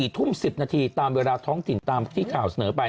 ๔ทุ่ม๑๐นาทีตามเวลาท้องถิ่นตามที่ข่าวเสนอไป